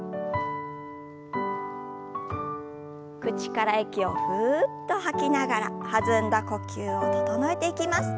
口から息をふっと吐きながら弾んだ呼吸を整えていきます。